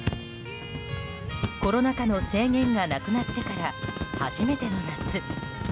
コロナ禍の制限がなくなってから初めての夏。